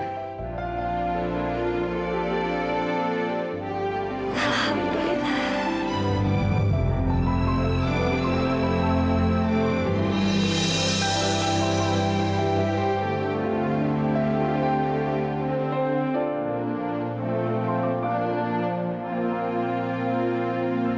sekarang tinggal pemulihannya saja ibu